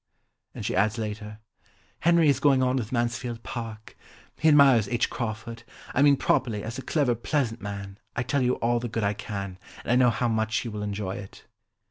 And she adds later, "Henry is going on with Mansfield Park. He admires H. Crawford; I mean properly, as a clever pleasant man, I tell you all the good I can, and I know how much you will enjoy it."